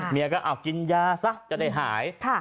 เมียก็เอากินยาซะจะได้หาย